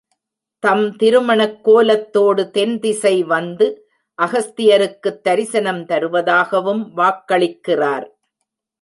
தம் திருமணக் கோலத்தோடு தென் திசை வந்து அகஸ்தியருக்குத் தரிசனம் தருவதாகவும் வாக்களிக்கிறார்.